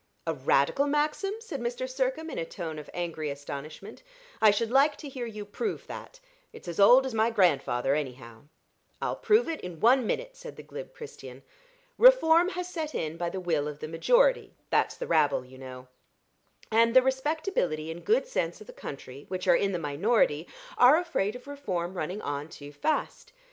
"A Radical maxim!" said Mr. Sircome, in a tone of angry astonishment. "I should like to hear you prove that. It's as old as my grandfather, anyhow." "I'll prove it in one minute," said the glib Christian. "Reform has set in by the will of the majority that's the rabble, you know; and the respectability and good sense of the country, which are in the minority, are afraid of Reform running on too fast.